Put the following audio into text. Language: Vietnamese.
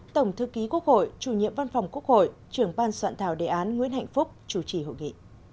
tổng thư ký quốc hội chủ nhiệm văn phòng quốc hội trưởng ban soạn thảo đề án nguyễn hạnh phúc chủ trì hội nghị